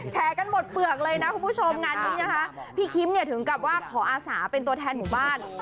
กันหมดเปลือกเลยนะคุณผู้ชมงานนี้นะคะพี่คิมเนี่ยถึงกับว่าขออาศาเป็นตัวแทนหมู่บ้าน